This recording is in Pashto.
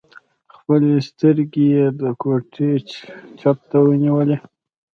خپلې سترګې يې د کوټې چت ته ونيولې.